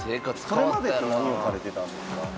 それまでって何をされてたんですか？